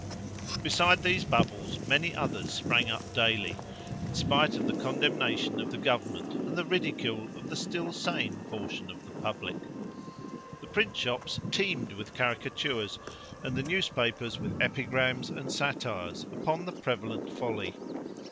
Besides these bubbles, many others sprang up daily, in spite of the condemnation of the government and the ridicule of the still sane portion of the public. The print shops teemed with caricatures, and the newspapers with epigrams and satires, upon the prevalent folly.